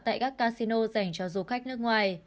tại các casino dành cho du khách nước ngoài